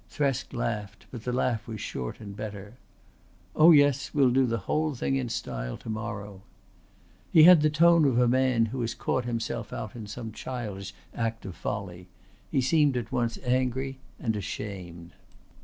Thresk laughed, but the laugh was short and bitter. "Oh yes, we'll do the whole thing in style to morrow." He had the tone of a man who has caught himself out in some childish act of folly. He seemed at once angry and ashamed.